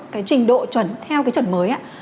cái trình độ chuẩn theo cái chuẩn mới